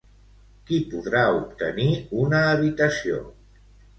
Qui podrà obtenir una habitació?